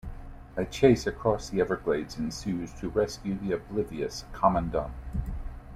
A chase across the Everglades ensues to rescue the oblivious Commandant.